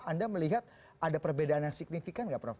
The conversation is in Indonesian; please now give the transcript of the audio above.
anda melihat ada perbedaan yang signifikan nggak prof